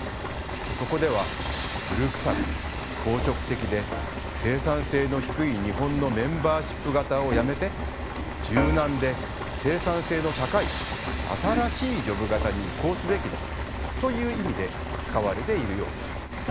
そこでは古くさく硬直的で生産性の低い日本のメンバーシップ型をやめて柔軟で生産性の高い新しいジョブ型に移行すべきだという意味で使われているようです。